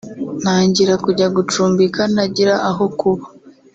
ntangira kujya gucumbika ntagira aho kuba”